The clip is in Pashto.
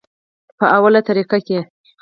پۀ اوله طريقه کښې